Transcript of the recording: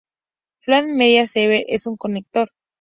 Flash Media Server es un conector.